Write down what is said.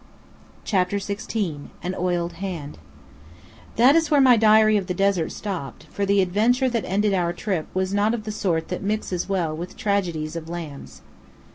CHAPTER XVI AN OILED HAND That is where my diary of the desert stopped; for the adventure that ended our trip was not of the sort that mixes well with tragedies of lambs.